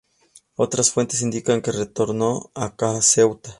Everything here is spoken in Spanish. Otras fuentes indican que retornó a Ceuta.